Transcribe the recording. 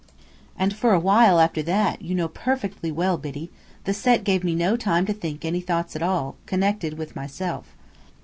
And for a while after that, you know perfectly well, Biddy, the Set gave me no time to think any thoughts at all, connected with myself."